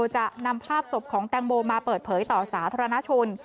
จะนำภาพศพของแตงโมมาเปิดเผยต่อสาธารณชน